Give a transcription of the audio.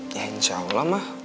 ya insya allah ma